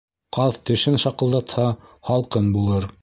Ҡаҙ тешен шаҡылдатһа, һалҡын булыр.